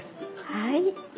はい。